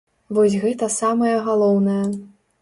Вось гэта самае галоўнае.